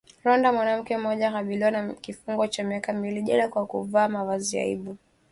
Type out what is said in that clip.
Rwanda Mwanamke mmoja akabiliwa na kifungo cha miaka miwili jela kwa kuvaa mavazi ya aibu